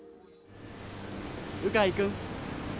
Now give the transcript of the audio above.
鵜飼君。